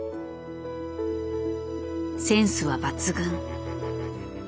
センスは抜群。